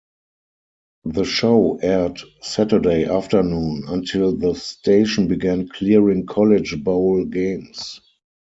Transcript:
The show aired Saturday afternoon until the station began clearing college bowl games.